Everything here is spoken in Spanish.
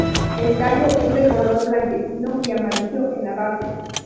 El tallo es de color blanquecino y amarillo en la base.